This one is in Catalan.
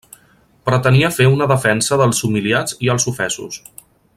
Pretenia fer una defensa dels humiliats i els ofesos.